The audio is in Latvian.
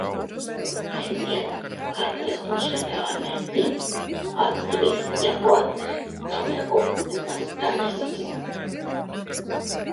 Redziet, katrs no šiem elementiem, atsevišķi ņemot, vēl nebūtu nekas traģisks.